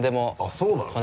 そうなの？